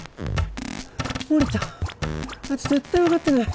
森田あいつ絶対分かってない。